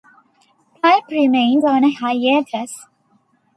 Pulp remained on a hiatus.